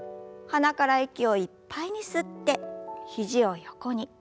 鼻から息をいっぱいに吸って肘を横に。